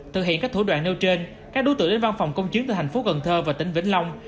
thực hiện các thủ đoạn nêu trên các đối tượng đến văn phòng công chứng từ thành phố cần thơ và tỉnh vĩnh long